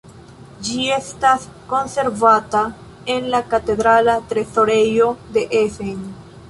Ĝi estas konservata en la katedrala trezorejo de Essen.